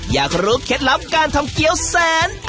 อยากรู้เคล็ดลับการทำเกี้ยวแสน